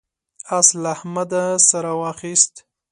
اس له احمده سر واخيست.